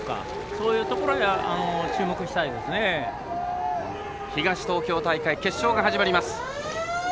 そういうところに東東京大会決勝が始まります。